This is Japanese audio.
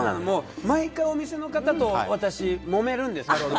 毎回お店の方と私もめるんです。